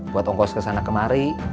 buat ongkos kesana kemari